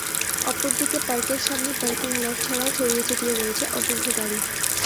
অপর দিকে পার্কের সামনে পার্কিং লট ছাড়াও ছড়িয়ে ছিটিয়ে রয়েছে অসংখ্য গাড়ি।